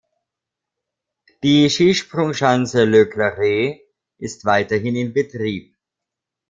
Die Skisprungschanze Le Claret ist weiterhin in Betrieb.